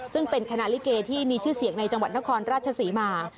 ซึ่งเป็นคณะลิเกที่มีชื่อเสียงในจังหวัดนครราชศรีมา